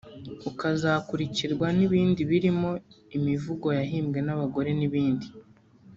ukazakurikirwa n’ibindi birimo imivugo yahimbwe n’abagore n’ibindi